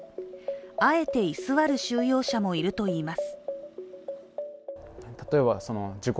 あえて居座る収容者もいるといいます。